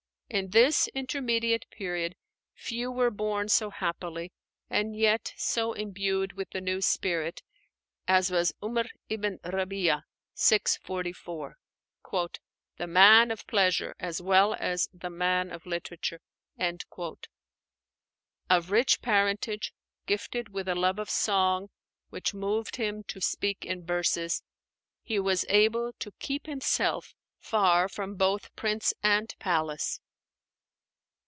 In this intermediate period, few were born so happily, and yet so imbued with the new spirit, as was 'Umar ibn 'Rabí'a (644), "the man of pleasure as well as the man of literature." Of rich parentage, gifted with a love of song which moved him to speak in verses, he was able to keep himself far from both prince and palace.